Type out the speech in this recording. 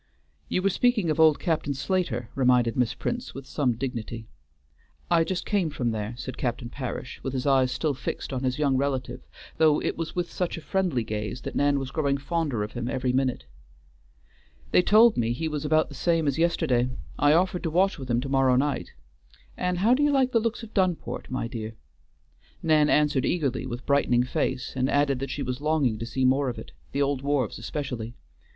"You were speaking of old Captain Slater," reminded Miss Prince with some dignity. "I just came from there," said Captain Parish, with his eyes still fixed on his young relative, though it was with such a friendly gaze that Nan was growing fonder of him every minute. "They told me he was about the same as yesterday. I offered to watch with him to morrow night. And how do you like the looks of Dunport, my dear?" Nan answered eagerly with brightening face, and added that she was longing to see more of it; the old wharves especially.